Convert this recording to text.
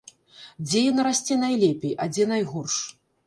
Дзе яна расце найлепей, а дзе найгорш?